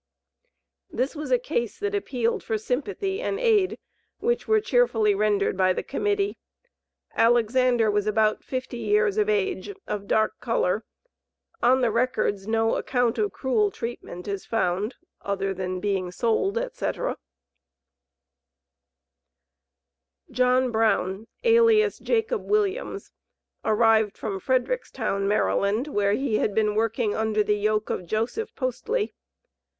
This was a case that appealed for sympathy and aid, which were cheerfully rendered by the Committee. Alexander was about fifty years of age, of dark color. On the Records no account of cruel treatment is found, other than being sold, &c. JOHN BROWN, alias JACOB WILLIAMS, arrived from Fredericktown, Md., where he had been working under the yoke of Joseph Postly.